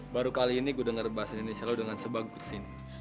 baru kali ini gue dengar bahasa indonesia lo dengan sebagus ini